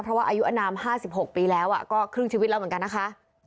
เพราะว่าอายุอนาม๕๖ปีแล้วก็ครึ่งชีวิตแล้วเหมือนกันนะคะ